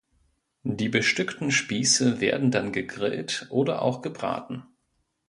Die bestückten Spieße werden dann gegrillt oder auch gebraten.